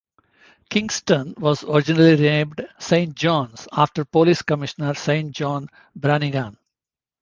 Kingston was originally named 'Saint Johns' after police commissioner Saint John Branigan.